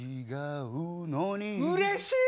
うれしい！